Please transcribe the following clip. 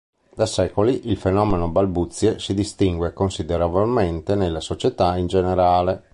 Da secoli il fenomeno balbuzie si distingue considerevolmente nella società in generale.